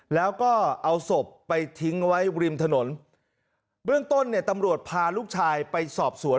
แล้วก็เอาศพไปทิ้งไว้ริมถนนเบื้องต้นเนี่ยตำรวจพาลูกชายไปสอบสวน